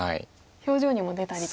表情にも出たりと。